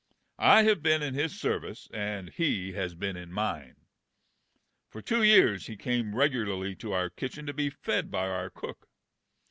I have been in his ser vice, and he has been in mine. For two years he came regu larly to our kitchen to be fed by our cook.